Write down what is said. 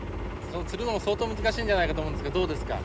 釣るのも相当難しいんじゃないかと思うんですけどどうですか？